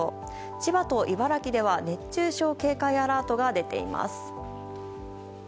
千葉と茨城では熱中症警戒アラートが出ています。